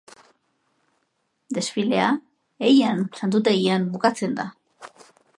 Desfilea Heian santutegian bukatzen da.